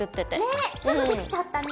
ねっすぐできちゃったね！